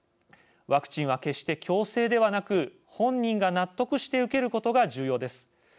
ワクチンは決して強制ではなく本人が納得して受けることが重要です。